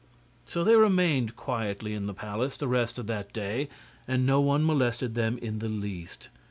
So they remained quietly in the palace the rest of that day, and no one molested them in the least.